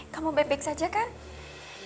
kamu bebek saja kan